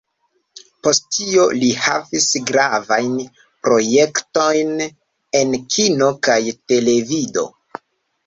Post tio li havis gravajn projektojn en kino kaj televido.